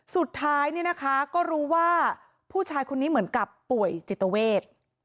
สุดท้ายเนี่ยนะคะก็รู้ว่าผู้ชายคนนี้เหมือนกับป่วยจิตเวท